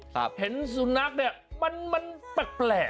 เห็นสุนัขเนี่ยมันมันแปลก